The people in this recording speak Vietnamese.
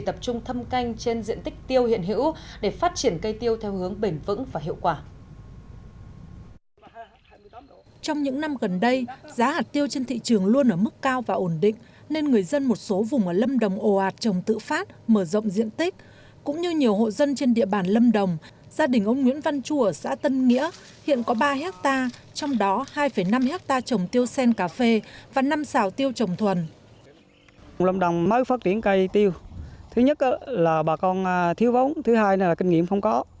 tập trung chăm sóc diện tích hồ tiêu hiện có để nâng cao năng suất chất lượng cây tiêu